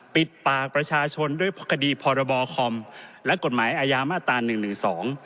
ปิดปากประชาชนด้วยคดีพรบคอมและกฎหมายอาญามาตราหนึ่งหนึ่งสอง